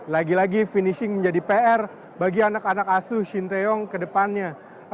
lagi lagi finishing menjadi pr bagi anak anak asuh shin taeyong ke depannya